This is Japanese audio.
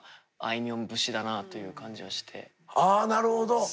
あなるほど。